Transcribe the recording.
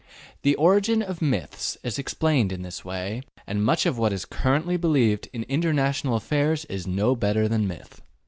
The origin of myths is explained in this way, and much of what is currently believed in international affairs is no better than myth.